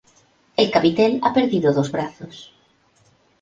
El capitel ha perdido dos brazos.